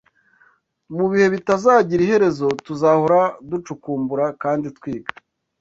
mubihe bitazagira iherezo tuzahora ducukumbura kandi twiga